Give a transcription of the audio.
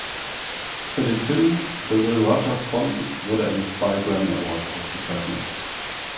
Für den Film "The Will Rogers Follies" wurde er mit zwei Grammy Awards ausgezeichnet.